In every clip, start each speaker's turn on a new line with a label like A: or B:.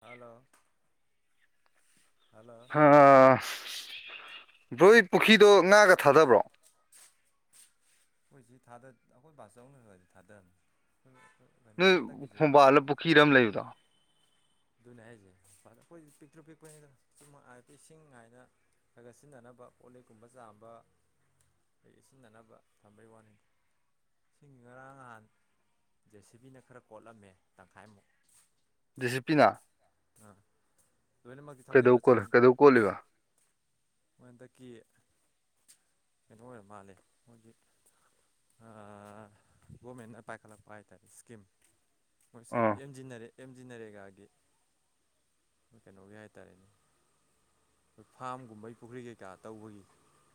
A: Hello hello
B: ꯍ bro ꯍꯣꯏ ꯄꯨꯈ꯭ꯔꯤꯗꯣ ꯉꯥꯒ ꯊꯥꯗꯕ꯭ꯔꯣ
A: ꯑꯩꯈꯣꯏ ꯁꯤ ꯊꯗ ꯑꯩꯈꯣꯏ ꯕꯥꯥꯆꯧꯅꯒꯗꯤ ꯊꯗꯝ
B: ꯅꯣꯏ ꯈꯣꯡꯕꯥꯜꯂ ꯄꯨꯈ꯭ꯔꯤꯔ ꯑꯃ ꯂꯩꯕꯗꯣ
A: ꯑꯗꯨꯅꯦ ꯍꯥꯏꯁꯦ ꯑꯩꯈꯣꯏꯗꯤ ꯄꯤꯛꯇ꯭ꯔꯨ ꯄꯤꯛꯄꯅꯤꯅ ꯆꯨꯝ ꯍꯥꯏꯗꯤ ꯏꯁꯤꯡꯉꯥꯏꯅ ꯈꯔ ꯈꯔ ꯁꯤꯟꯅꯅꯕ ꯀꯣꯜꯂꯤꯛꯀꯨꯝꯕ ꯆꯥꯝꯕ ꯀꯩ ꯀꯩ ꯁꯤꯖꯤꯟꯅꯅꯕ ꯊꯝꯕꯩ ꯋꯥꯅꯤ ꯏꯁꯤꯡ ꯉꯔꯥꯡ ꯅꯍꯥꯟ ꯖꯦ ꯁꯤꯕꯤꯅ ꯈꯔ ꯀꯣꯠꯂꯝꯃꯦ ꯇꯪꯈꯥꯏꯃꯨꯛ
B: ꯗꯤ ꯁꯤ ꯄꯤꯅ
A: ꯑꯥ ꯂꯣꯏꯅꯃꯛꯇꯤ
B: ꯀꯩꯗꯧ
A: ꯊꯧꯖꯤꯟꯕ
B: ꯀꯣ
A: ꯆꯪꯉꯤ
B: ꯀꯩꯗꯧ ꯀꯣꯂꯤꯕ
A: ꯃꯣꯏ ꯍꯟꯗꯛꯀꯤ ꯀꯩꯅꯣ ꯑꯣꯏꯔ ꯃꯥꯜꯂꯦ ꯃꯣꯏꯒꯤ ꯑ ꯒꯣꯔꯃꯦꯟꯅ ꯄꯥꯏꯈꯂꯛꯄ ꯌꯥꯇꯥꯔꯦ ꯏꯁ꯭ꯀꯤꯝ ꯃꯣꯢ ꯏꯁꯀꯤꯝ
B: ꯑꯥ
A: ꯑꯦꯝ ꯖꯤ ꯑꯦꯝ ꯖꯤ ꯅꯔꯦꯒꯥꯒꯤ ꯀꯩꯅꯣꯒꯤ ꯍꯥꯏꯇꯥꯔꯦꯅꯦ ꯑꯩꯈꯣꯏ ꯐꯥꯝꯒꯨꯝꯕꯩ ꯄꯨꯈ꯭ꯔꯤ ꯀꯩꯀꯥ ꯇꯧꯕꯒꯤ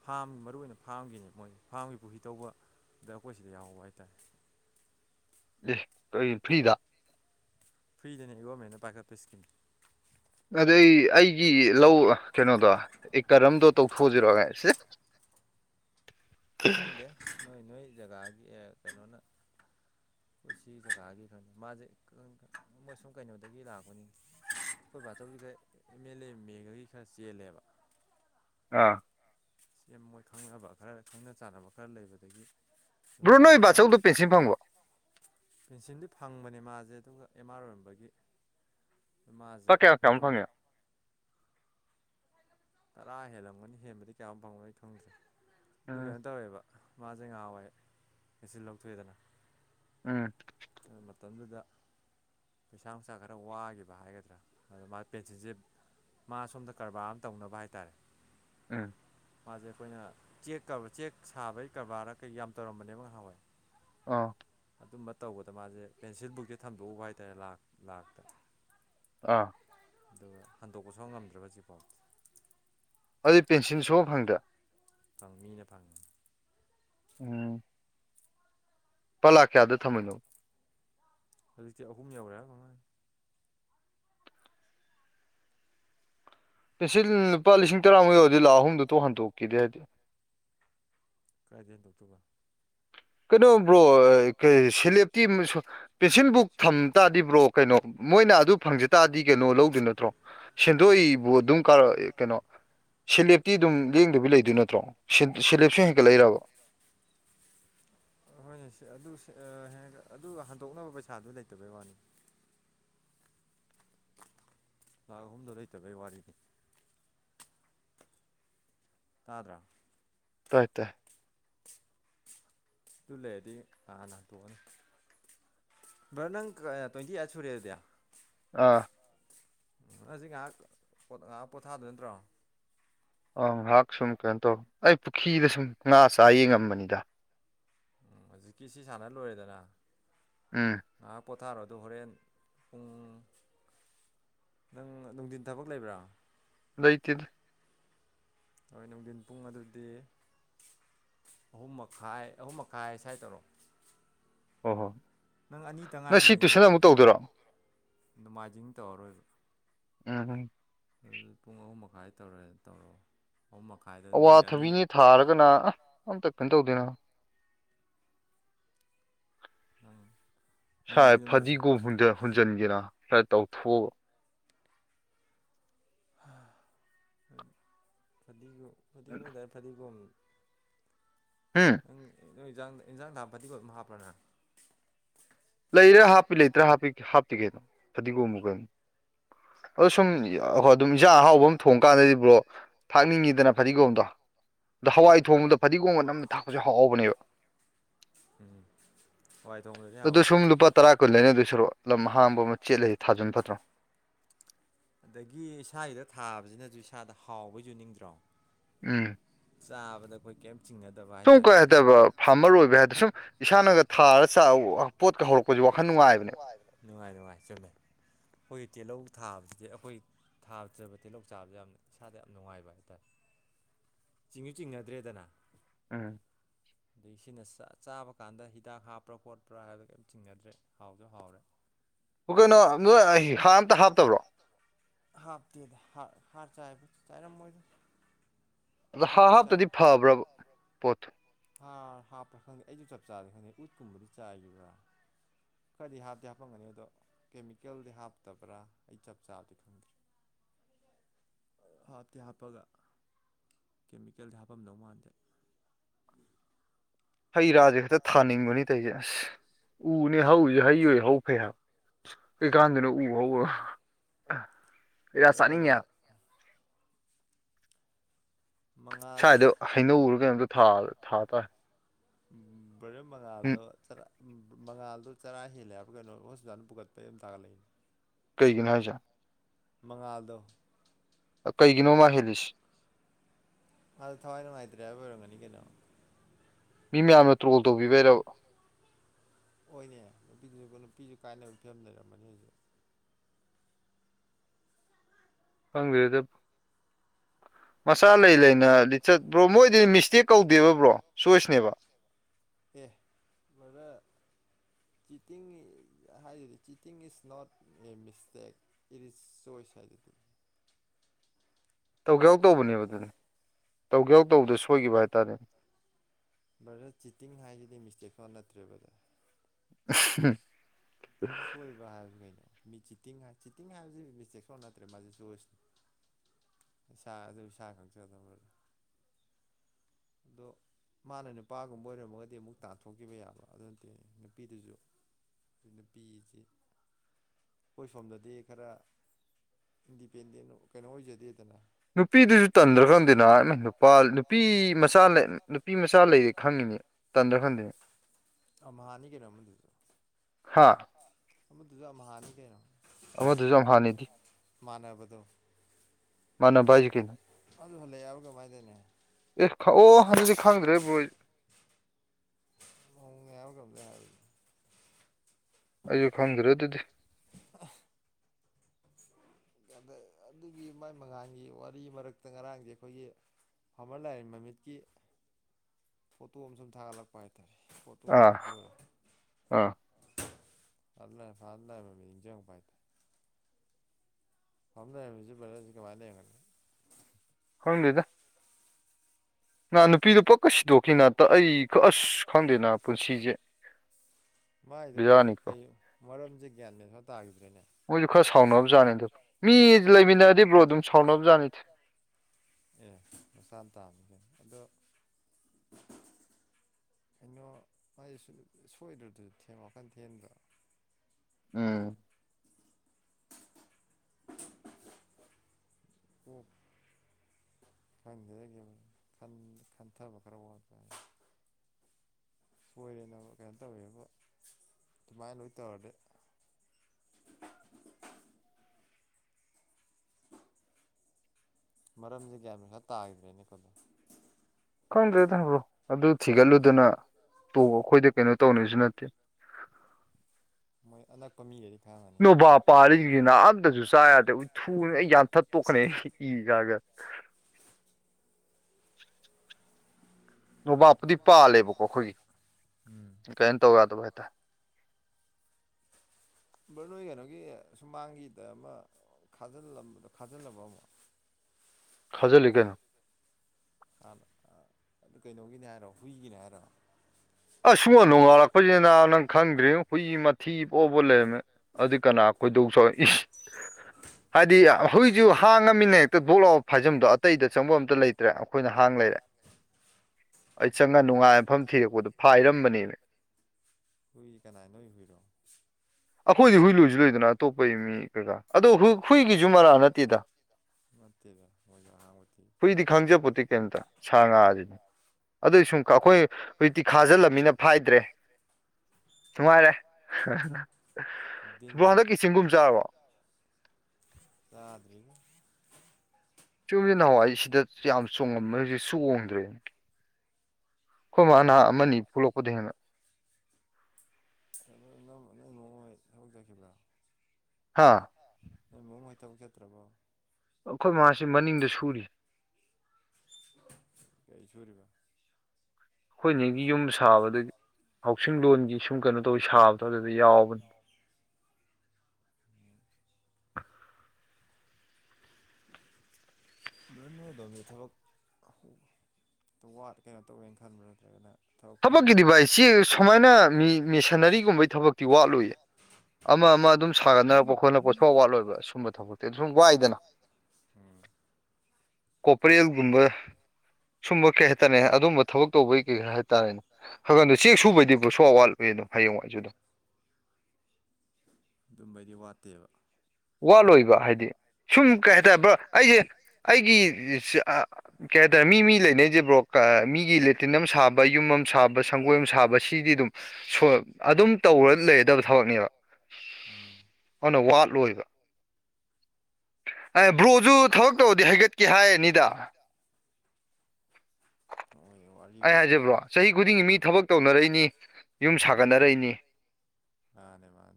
A: ꯐꯥꯝ ꯃꯔꯨ ꯑꯣꯏꯅ ꯐꯥꯝꯒꯤꯅꯦ ꯃꯣꯏ ꯐꯥꯝꯒꯤ ꯄꯨꯁꯤ ꯇꯧꯕꯗ ꯑꯩꯈꯣꯏ ꯁꯤꯗ ꯌꯥꯎꯍꯧꯕ ꯍꯥꯏꯇꯥꯔꯦ
B: ꯑꯦ ꯀꯩ ꯐ꯭ꯔꯤꯗ
A: ꯐ꯭ꯔꯤꯗꯅꯦ ꯒꯣꯔꯔꯃꯦꯟꯅ ꯄꯥꯏꯈꯠꯄ ꯁ꯭ꯀꯤꯝ
B: ꯑꯗꯣ ꯑꯩ ꯑꯩꯒꯤ ꯂꯧ ꯀꯩꯅꯣꯗꯣ ꯑꯦꯀꯔ ꯑꯃꯗꯣ ꯇꯧꯊꯣꯛꯑꯁꯤꯔꯣ ꯕꯥꯏ [unintelligible]
A: ꯈꯪꯗꯦ ꯅꯣꯏ ꯅꯣꯏ ꯖꯒꯥꯒꯤ ꯀꯩꯅꯣꯅ ꯑꯩꯈꯣꯏ ꯁꯤ ꯀꯀꯥꯒꯤ ꯈꯔꯅ ꯃꯥꯁꯦ ꯃꯣꯏ ꯁꯨꯝ ꯀꯩꯅꯣꯗꯒꯤ ꯂꯥꯛꯄꯅꯤ ꯑꯩꯈꯣꯏ ꯕꯥꯇꯧꯁꯤꯗ ꯑꯦꯝ ꯑꯦꯜ ꯑꯦ ꯃꯦꯝꯉꯒꯤ ꯈꯔ ꯆꯦꯜꯂꯦꯕ
B: ꯑꯥ
A: ꯁꯦꯝ ꯃꯣꯏ ꯈꯪꯅꯕ ꯈꯔ ꯈꯪꯅ ꯆꯥꯟꯅꯕ ꯈꯔ ꯂꯩꯕꯗꯒꯤ ꯁꯨꯝ
B: ꯕ꯭ꯔꯣ
A: ꯄꯥꯎ
B: ꯅꯣꯏ
A: ꯐꯥꯎꯅꯔꯦ
B: ꯕꯥꯆꯧꯗꯣ ꯄꯦꯟꯁꯤꯟ ꯐꯪꯕ꯭ꯔꯣ
A: ꯄꯦꯟꯁꯤꯜꯗꯤ ꯐꯪꯕꯅꯦ ꯃꯥꯖꯦ ꯑꯗꯨꯒ ꯑꯦꯝ ꯑꯥꯔ ꯑꯣꯏꯔꯝꯕꯒꯤ ꯏ ꯃꯥꯖꯦ
B: ꯂꯨꯄꯥ ꯀꯌꯥ ꯀꯌꯥꯃꯨꯛ
A: ꯑꯇꯨꯝ
B: ꯐꯪꯉꯦ
A: ꯇꯥꯔꯥ ꯍꯦꯜꯂꯝꯒꯅꯤ ꯍꯦꯟꯕꯗꯤ ꯀꯌꯥꯝ ꯐꯪꯕꯥꯅꯣ ꯑꯩ ꯈꯪꯗ꯭ꯔꯦ ꯑꯗꯨ
B: ꯎꯝ
A: ꯀꯩꯅꯣ ꯇꯧꯋꯦꯕ ꯃꯥꯖꯦ ꯉꯍꯥꯋꯥꯏ ꯄꯦꯟꯁꯤꯜ ꯂꯧꯊꯣꯛꯑꯦꯗꯅ
B: ꯑ
A: ꯑꯗꯨ ꯃꯇꯝꯗꯨꯗ ꯄꯩꯁꯥ ꯅꯨꯡꯁꯥ ꯈꯔ ꯋꯥꯒꯤꯕ ꯍꯥꯏꯒꯗ꯭ꯔꯥ ꯑꯗꯣ ꯃꯥ ꯄꯦꯟꯁꯤꯜꯁꯦ ꯃꯥ ꯁꯣꯝꯗ ꯀꯔꯕꯥꯔ ꯑꯃ ꯇꯧꯅꯕ ꯍꯥꯏꯇꯥꯔꯦ
B: ꯎꯝ
A: ꯃꯥꯖꯦ ꯑꯩꯈꯣꯏꯅ ꯆꯦꯛ ꯀꯧꯔ ꯆꯦꯛ ꯁꯥꯕꯒꯤ ꯀꯔꯕꯥꯔ ꯀꯩ ꯌꯥꯝ ꯇꯧꯔꯝꯕꯅꯦꯕ ꯉꯍꯥꯋꯥꯏ
B: ꯑꯣ
A: ꯑꯗꯨꯝꯕ ꯇꯧꯕꯗ ꯃꯥꯖꯦ ꯄꯦꯟꯁꯤꯜ ꯕꯨꯛꯁꯦ ꯊꯝꯗꯣꯛꯎꯕ ꯍꯥꯏꯇꯥꯔꯦ ꯂꯥꯛ ꯂꯥꯛꯇ
B: ꯑꯥ
A: ꯑꯗꯨꯒ ꯍꯟꯗꯣꯛꯄ ꯁꯨꯉꯝ ꯉꯝꯗꯔ꯭ꯕ ꯍꯧꯖꯤꯛꯐꯥꯎꯗꯤ
B: ꯑꯗꯨꯗꯤ ꯄꯦꯟꯁꯤꯜ ꯁꯨꯐ ꯐꯪꯗꯔ꯭ꯦ
A: ꯐꯪ ꯃꯤꯅ ꯐꯪꯉꯦ
B: ꯎꯝ
A: ꯂꯨꯄꯥ ꯂꯥꯛ ꯀꯌꯥꯗ ꯊꯝꯃꯤ꯫ ꯍꯧꯖꯤꯛꯇꯤ ꯑꯍꯨꯝ ꯌꯧꯔꯦ ꯍꯥꯏꯕꯔꯥ ꯀꯩꯅꯣꯝ ꯍꯥꯏꯕꯅꯤ
B: ꯄꯦꯟꯁꯤꯜ ꯂꯨꯄꯥ ꯂꯤꯁꯤꯡ ꯇꯔꯥꯃꯨꯛ ꯌꯧꯔꯗꯤ ꯂꯥꯛ ꯑꯍꯨꯝꯗꯣ ꯇꯣꯛ ꯍꯟꯗꯣꯛꯀꯦꯗꯦ ꯍꯥꯏꯗꯦ
A: ꯀꯔꯥꯏꯗꯩꯩ ꯍꯟꯗꯣꯛꯇꯣꯏꯕ
B: ꯀꯩꯅꯣ ꯕ꯭ꯔꯣ ꯀꯩ ꯁꯂꯦꯞꯇꯤ ꯄꯦꯟꯁꯤꯜꯕꯨꯛ ꯊꯝ ꯇꯥꯔꯗꯤ ꯕ꯭ꯔꯣ ꯀꯩꯅꯣ ꯃꯣꯏꯅ ꯑꯗꯨ ꯐꯪꯖ ꯇꯥꯔꯗꯤ ꯀꯩꯅꯣ ꯂꯧꯗꯨ ꯅꯠꯇ꯭ꯔꯣ ꯁꯦꯟꯗꯣꯏꯕꯨ ꯑꯗꯨꯝ ꯀꯥꯔ ꯀꯩꯅꯣ ꯁꯦꯂꯦꯞꯇꯤ ꯑꯗꯨꯝ ꯂꯦꯡꯗꯕꯤ ꯂꯩꯗꯣꯏ ꯅꯠꯇ꯭ꯔꯣ ꯁꯦꯗ ꯁꯦꯂꯦꯞꯁꯨ ꯍꯦꯟꯀꯠꯂꯛꯏꯔꯕ
A: ꯑꯣ ꯍꯣꯏꯅꯦ ꯁꯦ ꯑꯗꯨ ꯁꯦꯟ ꯑꯗꯨ ꯍꯟꯗꯣꯛꯅꯕ ꯄꯩꯁꯥꯗꯨ ꯂꯩꯇꯕꯩ ꯋꯥꯅꯤ ꯂꯥꯛ ꯑꯍꯨꯝꯗꯣ ꯂꯩꯇꯕꯩ ꯋꯥꯔꯤꯅꯤ ꯇꯥꯗ꯭ꯔꯥ
B: ꯇꯥꯏ ꯇꯥꯏ
A: ꯗꯨ ꯂꯩꯔꯗꯤ ꯅꯍꯥꯟ ꯅꯥ ꯍꯥꯡꯇꯣꯛꯑꯅꯤ ꯕꯔ ꯅꯪ ꯇ꯭ꯋꯦꯟꯇꯤ ꯑꯥꯏꯠ ꯁꯨꯔꯦ ꯑꯗꯨꯗꯤ
B: ꯑꯥ
A: ꯎꯝ ꯑꯗꯨꯗꯤ ꯉꯥꯏꯍꯥꯛ ꯉꯥꯏꯍꯥꯛ ꯄꯣꯊꯥꯗꯣꯏ ꯅꯠꯇ꯭ꯔꯣ
B: ꯑꯣ ꯉꯥꯏꯍꯥꯛ ꯁꯨꯝ ꯀꯩꯅꯣ ꯇꯧꯔꯣ ꯑꯩ ꯄꯨꯈꯤꯗ ꯁꯨꯝ ꯉꯥ ꯆꯥ ꯌꯦꯡꯉꯝꯕꯅꯤꯗ
A: ꯎꯝ ꯍꯧꯖꯤꯛꯀꯤ ꯁꯤ ꯁꯥꯟꯅ ꯂꯣꯏꯔꯦꯗꯅ
B: ꯎꯝ
A: ꯉꯥꯏꯍꯥꯛ ꯄꯣꯊꯥꯔꯣ ꯑꯗꯨꯒꯥ ꯍꯣꯔꯦꯟ ꯄꯨꯡ ꯅꯪ ꯅꯨꯡꯊꯤꯟ ꯊꯕꯛ ꯂꯩꯕ꯭ꯔꯥ
B: ꯂꯩꯇꯦꯗ
A: ꯍꯣꯏ ꯅꯨꯡꯊꯤꯟ ꯄꯨꯡ ꯑꯗꯨꯗꯤ ꯑꯍꯨꯝ ꯃꯈꯥꯏ ꯑꯍꯨꯝ ꯃꯈꯥꯏ ꯁ꯭ꯋꯥꯏꯗꯇꯧꯔꯣ
B: ꯍꯣꯏ ꯍꯣꯏ
A: ꯅꯪ ꯑꯅꯤ ꯇꯪ
B: ꯅꯪ ꯁꯤ
A: ꯉꯥꯏꯔꯝꯃꯅꯤꯅꯦ
B: ꯇꯨꯏꯁꯟ
A: ꯑꯗꯨꯗꯤ
B: ꯑꯃꯨꯛ ꯇꯧꯗꯣꯏꯔꯣ
A: ꯅꯣꯡꯃꯥꯏꯖꯤꯡ ꯇꯧꯔꯔꯣꯏꯕ
B: ꯎꯝ ꯎꯝ
A: ꯑꯗꯨ ꯄꯨꯡ ꯑꯍꯨꯝ ꯃꯈꯥꯏ ꯇꯧꯔꯦ ꯇꯧꯔꯣ ꯑꯍꯨꯝ ꯃꯈꯥꯏ
B: ꯑꯋꯥꯊꯕꯤꯅꯤ ꯊꯥꯔꯒꯅ ꯑ ꯑꯝꯇ ꯀꯩꯅꯣ ꯇꯧꯗꯣꯏꯅ
A: ꯎꯝ
B: ꯁꯥꯏ ꯐꯗꯤꯒꯣꯝ ꯍꯨꯟꯖꯤꯟꯒꯦꯅ ꯁꯥꯏ ꯇꯧꯊꯣꯛ
A: ꯐꯗꯤꯒꯣꯝ ꯐꯗꯤꯒꯅꯣꯣꯏꯗꯥꯔꯦ ꯐꯗꯤꯒꯣꯝ
B: ꯎꯝ
A: ꯅꯪ ꯏꯟꯖꯥꯡ ꯏꯟꯖꯥꯡ ꯅꯥ ꯐꯗꯤꯒꯣꯏꯕꯝ ꯍꯥꯞꯄ꯭ꯔꯅ
B: ꯂꯩꯔꯥ ꯍꯥꯞꯄꯤ ꯂꯩꯇ꯭ꯔꯥ ꯍꯥꯄꯤ ꯍꯥꯞꯇꯤ ꯀꯩꯅꯣ ꯐꯗꯤꯒꯣꯝꯃꯒ ꯑꯗ ꯁꯨꯝ ꯑꯩꯈꯣꯏ ꯑꯗꯨꯝ ꯏꯟꯥꯡ ꯑꯍꯥꯎꯕ ꯑꯃ ꯊꯣꯡ ꯀꯥꯟꯗꯗꯤꯕ꯭ꯔꯣ ꯊꯥꯛꯅꯤꯡꯉꯤꯗꯅ ꯐꯗꯤꯒꯣꯝꯗꯣ ꯑꯗꯣ ꯍꯋꯥꯏ ꯊꯣꯡꯕꯗꯣ ꯐꯗꯤꯒꯣꯝꯒ ꯅꯝꯅ ꯊꯥꯛꯄꯁꯨ ꯍꯥꯎꯕꯅꯦꯕ
A: ꯎꯝ ꯍꯣꯏ ꯊꯣꯡꯦ
B: ꯑꯗꯨꯗ ꯁꯨꯝ ꯂꯨꯄꯥ ꯇꯔꯥ ꯀꯨꯟ ꯂꯩꯅ ꯑꯗꯨꯣꯏ ꯁꯔꯣ ꯂꯝ ꯑꯥꯡꯕ ꯑꯃ ꯆꯦꯠꯂ ꯊꯥꯖꯟ ꯐꯠꯇ꯭ꯔꯣ
A: ꯑꯗꯒꯤ ꯏꯁꯥꯒꯤꯗ ꯊꯥꯕꯁꯤꯅꯁꯨ ꯏꯁꯥꯗ ꯍꯥꯎꯕꯩꯁꯨꯨ ꯅꯤꯡꯗ꯭ꯔꯣ
B: ꯎꯝ
A: ꯆꯥꯕꯗ ꯑꯩꯈꯣꯏ ꯀꯩ ꯆꯤꯡꯅꯗꯕ
B: ꯇꯨꯡ
A: ꯍꯥꯏꯇꯥꯔꯦꯅꯦ
B: ꯀꯗꯦꯕꯣ ꯐꯥꯔꯃꯔ ꯑꯣꯏꯕ ꯍꯥꯏꯗ ꯁꯨꯝ ꯏꯁꯥꯅꯒ ꯊꯥꯔꯒ ꯆ ꯄꯣꯠꯀ ꯍꯧꯔꯛꯄꯁꯤ ꯋꯥꯈꯟ ꯅꯨꯡꯉꯥꯏꯕꯅꯦꯕ
A: ꯅꯨꯡꯉꯥꯏ ꯅꯨꯡꯉꯥꯏ ꯆꯨꯝꯂꯦ ꯑꯩꯈꯣꯏꯒꯤ ꯇꯤꯜꯍꯧ ꯊꯥꯕꯁꯤꯗꯤ ꯑꯩꯈꯣꯏ ꯊꯥꯖꯕ ꯇꯤꯍꯧ ꯆꯥꯕꯁ ꯌꯥꯝꯅ ꯏꯁꯥꯗ ꯌꯥꯝ ꯅꯨꯡꯉꯥꯏꯕ ꯍꯥꯏꯇꯥꯔꯦ ꯆꯤꯡꯁꯨ ꯆꯤꯡꯅꯗ꯭ꯔꯦꯗꯅ
B: ꯎꯝ
A: ꯑꯗꯗꯒꯤ ꯁꯤꯅ ꯆꯥꯕ ꯀꯥꯟꯗ ꯍꯤꯗꯥꯛ ꯍꯥꯞꯄ꯭ꯔꯥ ꯈꯣꯠꯄ꯭ꯔꯥ ꯍꯥꯏꯕꯗ ꯀꯩꯝ ꯆꯤꯡꯅꯗ꯭ꯔꯦ ꯍꯥꯎꯁꯨ ꯍꯥꯎꯔꯦ
B: ꯑꯣ ꯀꯩꯅꯣ ꯅꯣꯏ ꯍꯥꯡ ꯑꯝꯇ ꯍꯥꯞꯇꯕ꯭ꯔꯣ
A: ꯍꯥꯞꯇꯦꯗ ꯍꯥꯔ ꯆꯥꯏꯕ ꯆꯥꯏꯔꯝꯃꯣꯏꯗ
B: ꯑꯗꯣ ꯍꯥ
A: ꯈꯔꯗꯤ ꯆꯥꯏ
B: ꯍꯥꯞꯇꯗꯤ ꯐꯕ꯭ꯔꯕ ꯄꯣꯠꯇꯣ
A: ꯍꯥꯔ ꯍꯥꯞꯄꯥ ꯈꯪꯗꯦ ꯑꯩꯁꯨ ꯆꯞ ꯆꯥꯗ ꯈꯪꯗꯦ ꯎꯠꯀꯨꯝꯕꯗꯤ ꯆꯥꯏꯈꯤꯕ꯭ꯔꯥ ꯈꯔꯗꯤ ꯍꯥꯞꯇꯤ ꯍꯥꯞꯄꯪꯒꯅꯤ ꯑꯗꯣ ꯀꯦꯃꯤꯀꯦꯜꯗꯤ ꯍꯥꯞꯇꯕ꯭ꯔꯥ ꯑꯩ ꯆꯞ ꯆꯥꯕꯗꯤ ꯈꯪꯗꯦ ꯍꯥꯞꯇꯤ ꯍꯥꯞꯄꯒ ꯀꯦꯃꯤꯀꯦꯜꯗꯤ ꯍꯥꯞꯄꯝꯗꯧ ꯃꯥꯟꯗꯦ
B: ꯍꯩ ꯔꯥꯁꯦ ꯈꯛꯇ ꯊꯥꯅꯤꯡꯕꯅꯤ ꯇꯩꯁꯦ ꯑꯁ ꯎꯅꯦ ꯍꯧꯁꯦ ꯍꯩ ꯍꯧ ꯐꯩ ꯍꯥꯏꯕ ꯀꯀꯥꯟꯗꯅ ꯎ ꯍꯧ
A: ꯃꯔ ꯀꯥꯏꯅꯣꯖ ꯃꯉꯥꯜ
B: ꯁ꯭ꯋꯥꯏꯗꯣ ꯍꯩꯅꯧꯔ ꯀꯩꯅꯣꯝꯇꯣ ꯊꯥ ꯇꯔꯦ
A: ꯕꯔꯦꯝ ꯃꯉꯥꯜꯗꯕ ꯆꯔ ꯃꯉꯥꯜꯗꯨꯣ ꯆꯔꯥ ꯍꯦꯜꯂꯦ ꯍꯥꯏꯕ ꯀꯩꯅꯣ ꯍꯣꯁꯄꯤꯇꯥꯜꯗ ꯄꯨꯈꯠꯄꯩ ꯌꯥꯝ ꯇꯥꯒꯠꯂꯛꯏꯅꯤ
B: ꯀꯩꯒꯤꯅꯣ ꯍꯥꯏꯁꯦ
A: ꯃꯉꯥꯜꯗꯣ
B: ꯀꯩꯒꯤꯅꯣ ꯃꯥ ꯍꯦꯜꯂꯤꯁꯤ
A: ꯑꯗ ꯊꯋꯥꯏ ꯅꯨꯡꯉꯥꯏꯇ꯭ꯔꯦ ꯍꯥꯏꯕ ꯑꯣꯏꯔꯝꯒꯅꯤ ꯀꯩꯅꯣ
B: ꯃꯤ ꯃꯌꯥꯝꯅ ꯇ꯭ꯔꯣꯜ ꯇꯧꯕꯤꯕꯩꯔꯕ
A: ꯑꯣꯏꯅꯦ ꯅꯨꯄꯤꯗꯨꯁꯨ ꯅꯨꯄꯤꯁꯨ ꯀꯥꯏꯅꯕ ꯐꯤꯕꯝ ꯂꯩꯔꯝꯕꯅꯤ ꯍꯧꯖꯤꯛ
B: ꯐꯪꯗꯦꯗ ꯃꯆꯥꯥ ꯂꯩ ꯂꯩꯅ ꯂꯤꯠꯆꯠꯄ꯭ꯔꯣ ꯃꯣꯏꯗꯤ ꯃꯤꯁꯇꯦꯛ ꯀꯧꯗꯦꯕꯕ꯭ꯔꯣ ꯆꯣꯏꯁꯅꯦꯕ
A: ꯑꯦ ꯃꯗꯨ ꯆꯤꯇꯤꯡ ꯍꯥꯏꯔꯗꯤ cheating is not a mistake it is ꯁꯣꯏ ꯁ꯭ꯋꯥꯏꯗꯗꯤ
B: ꯇꯧꯒꯦ ꯌꯥꯎꯅ ꯇꯧꯕꯅꯦꯕ ꯑꯗꯨꯗꯤ ꯇꯧꯒꯦꯌꯥꯎꯅ ꯇꯧꯕꯗ ꯁꯣꯏꯈꯤꯕ ꯍꯥꯏꯇꯥꯔꯦ
A: ꯕꯗꯥ ꯆꯤꯠꯇꯤꯡ ꯍꯥꯏꯒꯤꯗꯤ ꯃꯤꯁꯇꯦꯛ ꯐꯥꯎ ꯅꯠꯇ꯭ꯔꯦ ꯕꯗꯥ
B: [inaudible]
A: ꯁꯣꯏꯕ ꯍꯥꯏꯕꯁꯤ ꯀꯩꯅꯣ ꯃꯤ ꯆꯤꯇꯤꯡ ꯍꯥꯏ ꯆꯤꯠꯇꯤꯡ ꯍꯥꯏꯕꯁꯤ ꯃꯤꯁꯇꯦꯛ ꯁꯨꯡ ꯅꯠꯇ꯭ꯔꯦ ꯃꯥꯁ ꯆꯣꯏꯁꯅꯤ ꯁꯥ ꯑꯗꯨ ꯁꯥ [inaudible] ꯗꯣ ꯃꯥꯅ ꯅꯨꯄꯥꯒꯨꯝꯕ ꯑꯣꯏꯔꯝꯃꯒꯗꯤ ꯑꯃꯨꯛ ꯇꯥꯟꯊꯣꯛꯈꯤꯕ ꯌꯥꯕ ꯑꯗꯨ ꯅꯠꯇꯦꯅꯤ ꯅꯨꯄꯤꯗꯨꯁꯨ ꯅꯨꯄꯤꯖꯤ ꯑꯩꯈꯣꯏ ꯁꯣꯝꯗꯗꯤ ꯈꯔ ꯏꯟꯗꯤꯄꯦꯟꯗꯦꯟ ꯀꯩꯅꯣ ꯑꯣꯏꯖꯗꯦꯗꯅ
B: ꯅꯨꯄꯤꯗꯨꯁꯨ ꯇꯟꯗ꯭ꯔꯥ ꯈꯪꯗꯦꯅ ꯅꯨꯄꯥ ꯅꯨꯄꯤ ꯃꯆꯥ ꯅꯨꯄꯤꯆꯥ ꯆꯆꯥ ꯂꯩꯔꯤ ꯈꯪꯉꯤꯅꯤ ꯇꯟꯗ꯭ꯔꯥ ꯈꯪꯗꯦ
A: ꯑꯝꯍꯥꯅꯤ ꯀꯩꯅꯣ ꯃꯗꯨꯖꯨ
B: ꯍꯥꯥ
A: ꯑꯃꯗꯨꯁꯨ ꯑꯝ ꯍꯅꯤ ꯀꯩꯅꯣ
B: ꯑꯃꯗꯨꯁꯨ ꯑꯝ ꯍꯥꯅꯦꯗꯤ
A: ꯃꯥꯟꯅꯕꯗꯣ
B: ꯃꯥꯥꯟꯅꯕ ꯍꯥꯏꯖꯦ ꯀꯩꯅꯣ
A: ꯑꯗꯨ ꯍꯜꯂꯛꯑꯦ ꯍꯥꯏꯕ ꯀꯃꯥꯏꯅ ꯇꯧꯅꯤ
B: ꯑꯦ ꯈ ꯑꯣ ꯑꯗꯨꯗꯤ ꯈꯪꯗ꯭ꯔꯦ ꯕꯣꯏ
A: ꯃꯧꯅꯦ ꯍꯥꯏꯕꯔ ꯀꯩꯅꯣꯝꯗꯤ ꯍꯥꯏꯕꯅꯦ
B: ꯑꯩꯁꯨ ꯈꯪꯗ꯭ꯔꯦ ꯑꯗꯨꯗꯤ
A: ꯑ ꯑꯗꯨꯒꯤ ꯃꯥꯏ ꯃꯉꯥꯜꯒꯤ ꯋꯥꯔꯤ ꯃꯔꯛꯇ ꯉꯔꯥꯡꯒꯤ ꯑꯩꯈꯣꯏꯒꯤ ꯐꯥꯔꯃꯔ ꯂꯥꯏꯔꯦꯟ ꯃꯃꯤꯠꯀꯤ ꯐꯣꯇꯣ ꯑꯃ ꯁꯨꯝ ꯊꯥꯒꯠꯂꯛꯄ ꯍꯥꯏ [inaudible] ꯐꯣꯇꯣ ꯔꯣ
B: ꯑꯥ
A: ꯚꯤꯗꯤꯌꯣ
B: ꯑꯥ
A: ꯔꯣ [inaudible] ꯐꯥꯔꯃꯔ ꯂꯥꯏꯔꯦꯟ ꯃꯃꯤꯠꯁꯦ ꯕꯗ꯭ꯔ ꯍꯧꯖꯤꯛ ꯀꯃꯥꯏ ꯂꯩꯔꯝꯒꯅꯤ
B: ꯈꯪꯗꯦꯗ ꯅ ꯅꯨꯄꯤꯗꯣ ꯄꯛꯀ ꯁꯤꯗꯣꯛꯈꯤꯅ ꯇ ꯑꯩ ꯑꯁ ꯪꯗꯦꯅ ꯄꯨꯟꯁꯤꯁꯦ
A: ꯃꯥꯏꯗꯣ ꯀꯩ
B: ꯕꯦꯔꯥꯅꯤꯀꯣ
A: ꯀꯔꯤ ꯃꯔꯝꯖꯦ ꯒ꯭ꯤꯌꯥꯟ ꯃꯦꯟ ꯈꯔꯥ ꯇꯥꯈꯤꯗ꯭ꯔꯦꯅꯦ
B: ꯃꯣꯏꯁꯨ ꯈꯔ ꯁꯥꯎꯅꯕ ꯖꯥꯠꯅꯦꯗꯣ ꯃꯤ ꯂꯩꯃꯤꯟꯅꯔꯗꯤꯕ꯭ꯔꯣ ꯑꯗꯨꯝ ꯁꯥꯎꯅꯕ ꯖꯥꯠꯅꯤꯗ
A: ꯑꯦ ꯃꯁꯥꯅ ꯇꯥꯃꯦ ꯑꯗꯣ ꯀꯩꯅꯣ ꯑꯩ ꯁꯣꯏꯗ꯭ꯔꯗꯨ ꯊꯦꯝ ꯋꯥꯀꯟ ꯊꯦꯟꯕ
B: ꯎꯝ
A: ꯀꯣꯛ [inaudible] ꯈꯟꯊꯕ ꯈꯔ ꯋꯥꯠꯄ ꯍꯥꯏ ꯀꯣꯏꯔꯦꯅꯕ ꯀꯩꯅꯣ ꯇꯧꯔꯦꯕꯨ ꯑꯗꯨꯃꯥꯏꯅ ꯂꯣꯏ ꯇꯧꯔꯗꯤ ꯃꯔꯝꯖꯦ ꯒꯤꯌꯥꯟ ꯈꯔꯥ ꯇꯥꯗ꯭ꯔꯦꯅꯤꯀꯂꯣ
B: ꯈꯪꯗ꯭ꯔꯦꯗ ꯕ꯭ꯔꯣ ꯑꯗꯨ ꯊꯤꯒꯠꯂꯨꯗꯅ ꯇ ꯑꯩꯈꯣꯏꯗ ꯀꯩꯅꯣ ꯇꯧꯅꯦꯁꯨ ꯅꯠꯇꯦ
A: ꯃꯣꯏ ꯑꯅꯛꯄ ꯃꯤꯒꯗꯤ ꯊꯥ
B: ꯅꯣꯕꯥ ꯄꯥꯜꯂꯤꯁꯤꯡꯖꯦ ꯅꯥ ꯑꯃꯇꯁꯨ ꯆꯥ ꯌꯥꯗꯦ ꯊꯨ ꯂꯣꯏ ꯌꯥꯟꯊꯠ ꯇꯣꯛꯀꯅꯤꯍꯦ ꯏꯖꯒ ꯅꯣꯕꯥꯄꯨꯗꯤ ꯄꯥꯜꯂꯦꯕꯀꯣ ꯑꯩꯈꯣꯏꯒꯤ
A: ꯎꯝ
B: ꯀꯩꯅꯣ ꯇꯧ ꯌꯥꯗꯕ ꯍꯥꯏꯇꯥꯔꯦ
A: ꯕ ꯅꯣꯏ ꯀꯩꯅꯣꯒꯤ ꯁꯨꯃꯥꯡꯒꯤꯗ ꯑꯃ ꯈꯥꯖꯤꯜꯂꯝꯕꯗ ꯈꯥꯖꯤꯜꯂꯕ ꯑꯃ
B: ꯈꯥꯖꯤꯜꯂꯤ ꯀꯩꯅꯣ
A: [inaudible] ꯑꯗꯨ ꯀꯩꯅꯣꯒꯤꯅꯤ ꯍꯥꯏꯔꯣ ꯍꯨꯏꯒꯤꯅꯤ ꯍꯥꯏꯔꯣ
B: ꯑ ꯁꯨꯡꯉ ꯅꯣꯡꯉꯥꯜꯂꯛꯄꯁꯤꯅ ꯅꯕ ꯅꯪ ꯈꯪꯗ꯭ꯔꯤ ꯍꯨꯏ ꯃꯊꯤ ꯄꯣꯛꯕ ꯂꯩꯔꯝꯃꯦ ꯑꯗꯨ ꯀꯅꯥ ꯈꯣꯏꯗꯧ ꯁꯥꯎꯔꯣꯏ ꯏꯁ ꯍꯥꯏꯗꯤ ꯍꯧꯖꯤꯛꯖꯨ ꯍꯥꯡꯉꯝꯃꯤꯅꯦ ꯍꯦꯛꯇꯥ ꯕꯣꯛꯂꯥꯎ ꯐꯥꯏꯖꯝꯗꯣ ꯑꯇꯩꯗ ꯆꯪꯕ ꯑꯝꯇꯥ ꯂꯩꯇ꯭ꯔꯦ ꯑꯩꯈꯣꯏꯅ ꯍꯥꯡ ꯂꯩꯔꯦ ꯑꯩ ꯆꯪꯉ ꯅꯨꯡꯉꯥꯏ ꯃꯐꯝ ꯊꯤꯔꯛꯄꯗꯣ ꯐꯥꯏꯔꯝꯕꯅꯦꯃꯦ
A: ꯍꯨꯏ ꯀꯅꯥꯏ ꯅꯣꯏ ꯍꯨꯏꯔꯣ
B: ꯑꯩꯈꯣꯏ ꯍꯨꯏ ꯂꯨꯏꯖꯨ ꯂꯣꯏꯗꯅ ꯑꯇꯣꯞꯄꯒꯤ ꯃꯤ [unintelligible] ꯑꯗꯣ ꯍꯨꯏꯒꯤꯖꯨ ꯃꯔꯥꯟ ꯅꯠꯇꯦꯗ
A: ꯅꯠꯇꯦꯗ [unintelligible]
B: ꯍꯨꯏꯗꯤ ꯈꯪꯖꯄꯣꯠꯇꯦ ꯀꯩꯅꯣꯗ ꯁꯥ ꯉꯥꯖꯤꯗꯤ ꯑꯗꯨꯏ ꯁꯨꯝꯀꯥ ꯑꯈꯣꯏ ꯇꯤ ꯈꯥꯖꯤꯜꯂꯃꯤꯅ ꯐꯥꯏꯗ꯭ꯔꯦ ꯅꯨꯡꯉꯥꯏꯔꯦ
A: ꯗꯤꯟ
B: ꯕ꯭ꯔꯣ ꯍꯟꯗꯛꯀꯤ ꯆꯤꯡꯒꯨꯝ ꯆꯥꯔꯕꯣ
A: ꯆꯗ꯭ꯔꯤꯗ
B: ꯆꯨꯝꯖꯦ ꯅꯍꯥꯟꯋꯥꯏ ꯁꯤꯗ ꯌꯥꯝ ꯆꯣꯡꯉꯝꯃꯦ ꯍꯨꯖꯤꯛ ꯆꯣꯡꯗ꯭ꯔꯦ ꯑꯩꯈꯣꯏ ꯃꯥ ꯅ ꯑꯃ ꯅꯤ ꯄꯨꯂꯛꯄꯗꯩ ꯍꯦꯟꯅ
A: ꯊꯕꯛ ꯏꯪꯒꯥꯡ [unintelligible] ꯊꯕꯛ ꯆꯠꯈꯤꯕ꯭ꯔꯥ
B: ꯍꯥꯥ
A: ꯃꯣꯝ ꯍꯣꯏ ꯊꯕꯛ ꯆꯠꯇ꯭ꯔꯥꯕꯣ
B: ꯑꯈꯣꯏ ꯃꯥ ꯑꯁꯤ ꯃꯅꯤꯡꯗ ꯁꯨꯔꯤ
A: ꯀꯩ ꯁꯨꯔꯤꯕ
B: ꯑꯩꯈꯣꯏꯅꯦꯒꯤ ꯌꯨꯝ ꯁꯥꯕꯗ ꯍꯥꯎꯁꯤꯡ ꯂꯣꯟꯒꯤ ꯁꯨꯝ ꯀꯩꯅꯣ ꯇꯧꯋꯤ ꯁꯥꯕꯗꯣ ꯑꯗꯨꯗ ꯌꯥꯎꯕꯅꯤ
A: ꯗꯣ ꯅꯣꯏ ꯑꯗꯣꯝꯖꯦ ꯊꯕꯛ ꯇꯋꯥꯠ ꯀꯩꯅꯣ ꯇꯧꯋꯦꯅ ꯈꯟꯕ꯭ꯔꯥ ꯅꯠꯇ꯭ꯔꯥꯒꯅ
B: ꯊꯕꯛꯀꯤꯗꯤ ꯚꯥꯏ ꯆꯦ ꯁꯨꯃꯥꯏꯅ ꯃꯦꯁꯟꯅꯔꯤꯒꯨꯝꯕꯩ ꯊꯕꯛꯇꯤ ꯋꯥꯠꯂꯨꯏꯌꯦ ꯑꯃ ꯑꯃ ꯑꯗꯨꯝ ꯁꯥꯒꯠꯅꯔꯛꯄ ꯈꯣꯠꯂꯛꯄ ꯁꯨꯡꯋꯥ ꯋꯥꯠꯂꯣꯏꯕ ꯑꯁꯨꯝꯕ ꯊꯕꯛꯇꯤ ꯑꯗꯨ ꯁꯨꯝ ꯋꯥꯏꯗꯅ
A: ꯎꯝ
B: ꯀꯣꯄꯔꯦꯜꯒꯨꯝꯕ ꯁꯨꯝꯕ ꯀꯩ ꯍꯥꯏꯇꯥꯔꯦ ꯑꯗꯨꯝꯕ ꯊꯕꯛ ꯇꯧꯕꯩ ꯀꯩ ꯍꯥꯏ ꯇꯥꯔꯦꯅꯦ [unintelligible] ꯆꯦꯛ ꯁꯨꯕꯩꯗꯤ ꯕ꯭ꯔꯣ ꯁꯨꯡꯋꯥꯠ ꯋꯥꯠꯂꯣꯏ ꯑꯗꯣ ꯍꯌꯦꯡꯋꯥꯏꯖꯨ ꯑꯗꯨꯝ
A: ꯑꯗꯨꯝꯕꯩꯗꯤ ꯋꯥꯠꯇꯦꯕ
B: ꯋꯥꯠꯂꯣꯏꯕ ꯍꯥꯏꯗꯤ ꯁꯨꯝ ꯀꯩ ꯍꯥꯏꯇꯥꯔꯦ ꯕ꯭ꯔꯥ ꯑꯩꯖꯦ ꯑꯩꯒꯤ ꯁꯤ ꯑꯥ ꯀꯩ ꯍꯥꯏꯇꯥꯔꯦ ꯃꯤ ꯃꯤ ꯂꯩꯅꯩꯖꯤ ꯕ꯭ꯔꯣ ꯑꯥ ꯃꯤꯒꯤ ꯂꯦꯇꯤꯟ ꯑꯃ ꯁꯥꯕ ꯌꯨꯝ ꯑꯃ ꯁꯥꯕ ꯁꯪꯒꯣꯏ ꯑꯃ ꯁꯥꯕ ꯁꯤꯗꯤ ꯑꯗꯨꯝ ꯁꯣꯏ ꯑꯗꯨꯝ ꯇꯧꯔꯥ ꯂꯩꯔꯗꯕ ꯊꯕꯛꯅꯦꯕ
A: ꯎꯝ
B: ꯑꯗꯨꯅ ꯋꯥꯠꯂꯣꯏꯕ ꯑꯦ ꯕ꯭ꯔꯣꯖꯨ ꯊꯕꯛ ꯇꯧꯔꯗꯤ ꯍꯩꯒꯠꯀꯦ ꯍꯥꯏꯔꯅꯤꯗ
A: ꯍꯣꯏ
B: ꯑꯩ ꯍꯥꯏꯖꯦ
A: ꯋꯥꯔꯤꯕꯣꯕ
B: ꯕ꯭ꯔꯣ ꯆꯍꯤ ꯈꯨꯗꯤꯡꯒꯤ ꯃꯤ
A: ꯎꯝ
B: ꯊꯕꯛ ꯇꯧꯅꯔꯛꯏꯅꯤ ꯌꯨꯝ ꯁꯥꯒꯠꯅꯔꯛꯏꯅꯤ
A: ꯃꯥꯥꯟꯗꯕ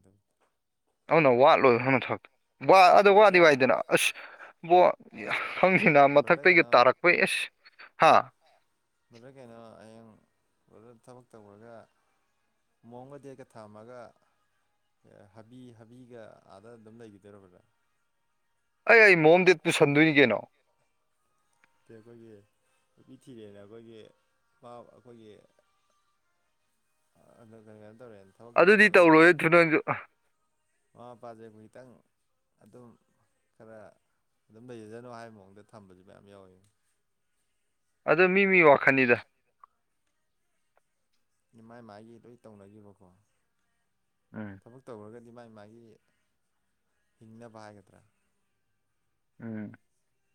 B: ꯑꯗꯨꯅ ꯋꯥꯠꯂꯣꯏ ꯁꯨꯝꯕ ꯊꯕꯛ ꯋꯥ ꯑꯗꯣ ꯋꯥꯗꯤ
A: ꯕ꯭ꯔꯗꯔ
B: ꯋꯥꯏꯗꯅ ꯑꯁ ꯕꯣ ꯍꯪꯗꯦ ꯅꯕ
A: ꯕ꯭ꯔꯗꯔ
B: ꯃꯊꯛꯇꯩꯒ
A: ꯀꯩꯅꯣ
B: ꯇꯥꯔꯛꯄꯩ ꯏꯁ ꯍꯥ
A: ꯕ꯭ꯔꯥꯗꯔ ꯀꯩꯅꯣ ꯍꯌꯦꯡ ꯕ꯭ꯔꯥꯗꯔ ꯊꯕꯛ ꯇꯧꯒꯔꯥꯒ ꯃꯣꯡꯒ ꯗꯦꯠꯀꯥ ꯊꯝꯃꯝꯃꯥꯒ ꯍꯥꯕꯤ ꯍꯥꯕꯤꯒ ꯑꯥꯗ ꯑꯗꯨꯝ ꯂꯩꯒꯤꯗꯣꯏꯔꯣ ꯕ꯭ꯔꯥꯗꯔ
B: ꯑꯩ ꯃꯣꯝꯗꯦꯠ ꯄꯨꯨꯁꯟꯗꯣꯏꯅꯤ ꯀꯩꯅꯣ
A: ꯇꯦ ꯑꯩꯈꯣꯏꯒꯤ ꯅꯨꯄꯤ ꯊꯤꯔꯦꯅ ꯑꯩꯈꯣꯏꯒꯤ ꯃꯥ ꯑꯩꯈꯣꯏꯒꯤ [unintelligible] ꯊꯕꯛ
B: ꯑꯗꯨꯗꯤ
A: ꯇꯧꯔꯒ ꯑꯈꯣꯏ
B: ꯇꯧꯔꯣꯏ
A: ꯑꯗꯨꯗꯤ
B: ꯑꯗꯨ ꯅꯪꯁꯨ
A: ꯇꯧꯔꯣꯏꯍꯦ [inaudible] ꯃꯃꯥ ꯃꯄꯥꯖꯦ ꯃꯣꯏꯇꯪ ꯑꯗꯨꯝ ꯈꯔ ꯑꯗꯨꯝ ꯂꯩꯖꯖꯅꯨ ꯍꯥꯏꯕ ꯃꯑꯣꯡꯗ ꯊꯝꯕꯖꯨ ꯃꯌꯥꯝ ꯌꯥꯎꯋꯤ
B: ꯑꯗꯨ ꯃꯤ ꯃꯤ ꯋꯥꯈꯟꯅꯤꯗ
A: ꯑꯗꯨ ꯃꯥꯏ ꯃꯥꯏꯒꯤ ꯂꯣꯏ ꯇꯧꯅꯒꯤꯕꯀꯣ
B: ꯎꯝ
A: ꯊꯕꯛ ꯇꯧꯔꯒ ꯃꯥꯏ ꯃꯥꯒꯤ ꯍꯤꯡꯅꯕ ꯍꯥꯏꯒꯗ꯭ꯔꯥ
B: ꯎꯝ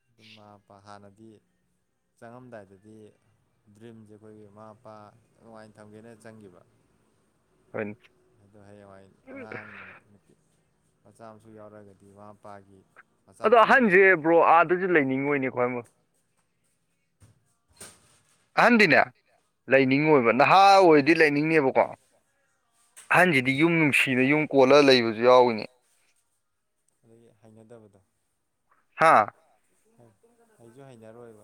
A: ꯑꯗꯨꯝꯄꯥ ꯍꯥꯟꯅꯗꯤ ꯆꯪꯉꯝꯗꯥꯏꯗꯗꯤ ꯗ꯭ꯔꯤꯝꯁꯦ ꯑꯩꯈꯣꯏꯒꯤ ꯃꯃꯥ ꯃꯄꯥ ꯅꯨꯡꯉꯥꯏꯅ ꯊꯝꯕꯤꯅ‌ꯦꯅ ꯆꯪꯈꯤꯕ
B: ꯍ [unintelligible]
A: ꯑꯗꯨ ꯍꯌꯦꯡꯋꯥꯏ ꯑꯉꯥꯡ ꯃꯆꯥ ꯃꯁꯨ ꯌꯥꯎꯔꯒꯗꯤ ꯃꯃꯥ ꯃꯄꯥꯒꯤ ꯃꯆꯥ
B: ꯑꯗꯣ
A: ꯃꯁꯨꯒꯤ
B: ꯑꯍꯟꯁꯦ ꯕ꯭ꯔꯣ ꯑꯥꯗꯁꯨ ꯂꯩꯅꯤꯡꯉꯣꯧꯏꯅꯦꯀꯣ ꯍꯥꯏꯃꯣ [unintelligible] ꯑꯍꯟꯗꯤꯅꯦ
A: ꯃꯥꯅꯦ ꯑꯥ
B: ꯂꯩꯅꯤꯡꯉꯣꯏꯕ ꯅꯍꯥ ꯑꯣꯏꯔꯗꯤ ꯂꯩꯅꯤꯡꯉꯕꯀꯣ ꯑꯍꯟꯁꯤꯗꯤ ꯌꯨꯝ ꯅꯨꯡꯁꯤꯅ ꯌꯨꯝ ꯀꯣꯜꯂꯒ ꯂꯩꯕꯁꯨ ꯌꯥꯎꯔꯤꯅꯤ
A: ꯑꯗꯒꯤ ꯍꯩꯅꯗꯕꯗꯣ
B: ꯍꯥꯥ
A: ꯍꯥ ꯍꯩꯁꯨ ꯍꯩꯅꯔꯣꯏꯕ